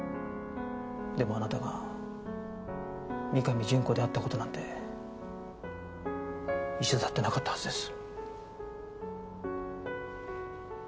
でもあなたが三上潤子であった事なんて一度だってなかったはずです。